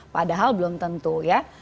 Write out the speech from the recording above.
padahal belum tentu ya